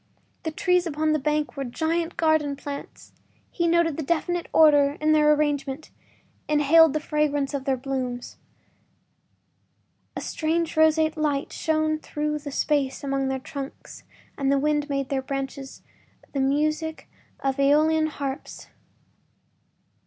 The trees upon the bank were giant garden plants; he noted a definite order in their arrangement, inhaled the fragrance of their blooms. A strange roseate light shone through the spaces among their trunks and the wind made in their branches the music of AEolian harps.